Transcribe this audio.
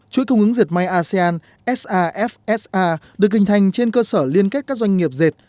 chuỗi cung ứng diệt mạng asean safsa được hình thành trên cơ sở liên kết các doanh nghiệp diệt